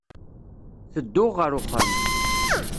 Tedduɣ ɣer uxxam.